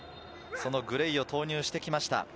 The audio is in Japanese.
そのグレイを投入してきました。